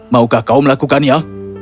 maukah kau melakukannya